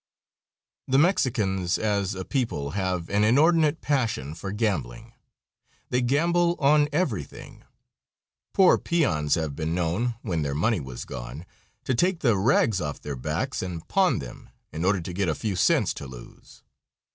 The Mexicans, as a people, have an inordinate passion for gambling. They gamble on everything. Poor peons have been known, when their money was gone, to take the rags off their backs and pawn them in order to get a few cents to lose.